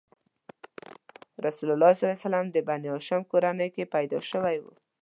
رسول الله د بنیهاشم کورنۍ کې پیدا شوی و.